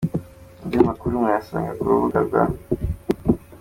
Andi makuru mwayasanga ku rubuga rwa www.